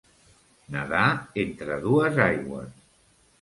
Nedar entre dues aigües.